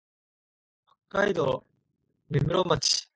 北海道芽室町